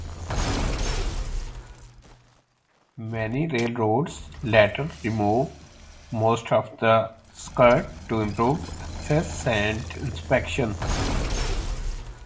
Many railroads later removed most of the skirt to improve access and inspection.